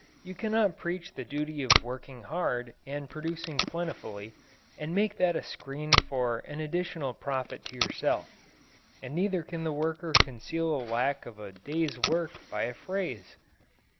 You cannot preach the duty of working hard and producing plentifully, and make that a screen for an additional profit to yourself. And neither can the worker conceal the lack of a day's work by a phrase.